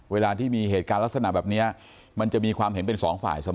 เวลาที่มีเหตุการณ์ลักษณะแบบนี้มันจะมีความเห็นเป็นสองฝ่ายเสมอ